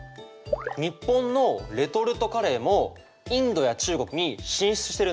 日本のレトルトカレーもインドや中国に進出してるんだって。